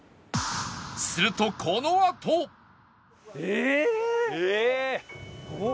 するとこのあとええっ！？